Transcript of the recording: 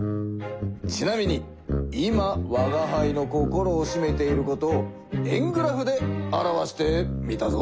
ちなみに今わがはいの心をしめていることを円グラフで表してみたぞ。